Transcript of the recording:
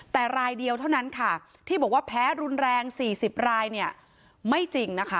แต่รายเดียวเท่านั้นค่ะที่บอกว่าแพ้รุนแรง๔๐รายเนี่ยไม่จริงนะคะ